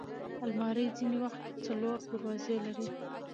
الماري ځینې وخت څلور دروازې لري